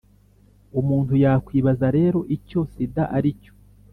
umuntu yakwibaza rero icyo sida aricyo